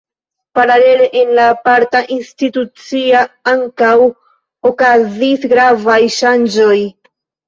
Paralele, en la aparta institucia ankaŭ okazis gravaj ŝanĝoj.